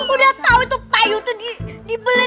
udah tau itu payung itu dibelit dia amat